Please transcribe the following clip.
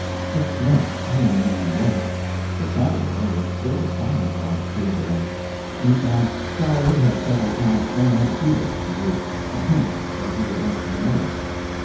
Six months came and went. The _Sagamore _was still silent about Tilbury. Meantime, Sally had several times thrown out a feeler that is, a hint that he would like to know.